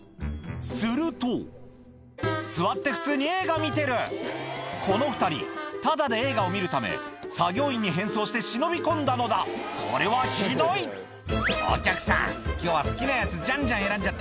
すると座って普通に映画見てるこの２人タダで映画を見るため作業員に変装して忍び込んだのだこれはひどい「お客さん今日は好きなやつじゃんじゃん選んじゃって」